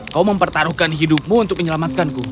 kau mempertaruhkan hidupmu untuk menyelamatkan ku